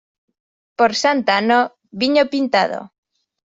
Per Santa Anna, vinya pintada.